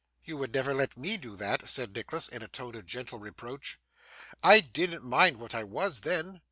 'You would never let ME do that,' said Nicholas in a tone of gentle reproach. 'I didn't mind what I was, then.